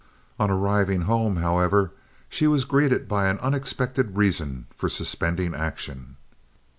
On arriving home, however, she was greeted by an unexpected reason for suspending action.